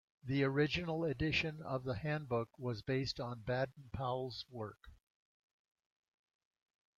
The original edition of the handbook was based on Baden-Powell's work.